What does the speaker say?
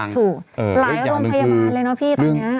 ถูกหลายโรงพยาบาลเลยนะพี่ตอนนี้